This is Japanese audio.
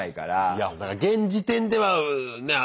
いやだから現時点ではねえ